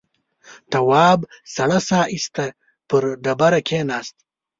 تواب سړه سا ایسته پر ډبره کېناست.